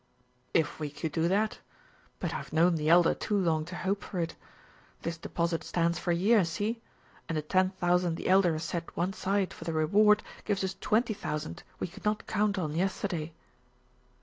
"If we could do that but I've known the Elder too long to hope for it. This deposit stands for a year, see? And the ten thousand the Elder has set one side for the reward gives us twenty thousand we could not count on yesterday."